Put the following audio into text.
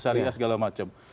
syariah segala macam